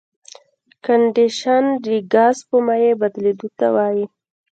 کنډېنسیشن د ګاز په مایع بدلیدو ته وایي.